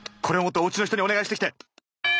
これを持っておうちの人にお願いしてきて！